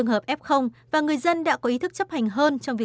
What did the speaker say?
em đi tiêm phòng nghĩa là bây giờ chơi đường đi